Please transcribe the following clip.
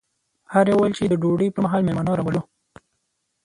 هر یوه ویل چې د ډوډۍ پر مهال مېلمانه راولو.